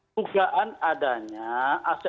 dugaan adanya aset aset